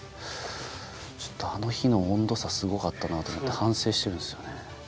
ちょっとあの日の温度差すごかったなと思って反省してるんですよね。